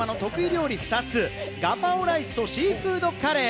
料理２つ、ガパオライスとシーフードカレー。